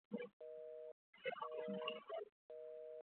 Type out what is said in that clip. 受威胁物种的统称。